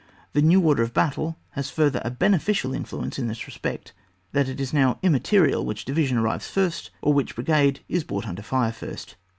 The new order of battle has frirther a beneficial influence in this respect, that it is now immaterial which division arrives first or which brigade is brought under fire first.